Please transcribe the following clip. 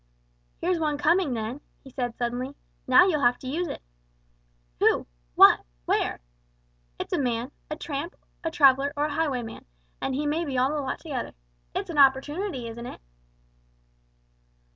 "Here's one coming then," he said, suddenly; "now you'll have to use it." "Who? What? Where?" "It's a man; a tramp, a traveller or a highwayman, and he may be all the lot together! It's an opportunity, isn't it?"